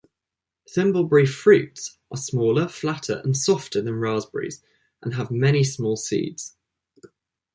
Thimbleberry fruits are smaller, flatter, and softer than raspberries, and have many small seeds.